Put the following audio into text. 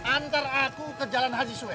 antar aku ke jalan haji suway